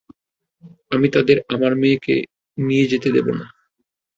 আমি তাদের আমার মেয়েকে নিয়ে যেতে দেব না।